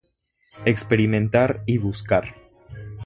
Experimentar y buscar.